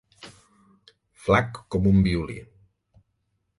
Flac com un violí.